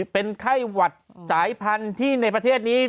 เป็นไข้หวัดสายพันธุ์ที่ในประเทศนี้